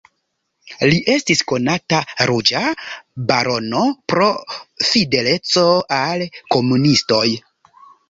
Li estis konata "Ruĝa barono" pro fideleco al komunistoj.